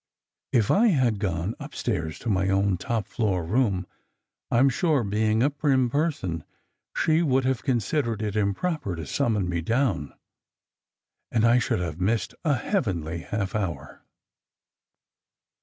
If I had gone upstairs to my own top floor room, I m sure, being a prim person, she would have considered it improper to summon me down, and I should have missed a heavenly half hour.